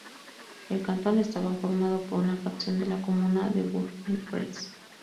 El cantón estaba formado por una fracción de la comuna de Bourg-en-Bresse.